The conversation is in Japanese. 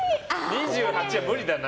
２８は無理だな。